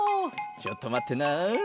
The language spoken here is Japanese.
ちょっとまってな。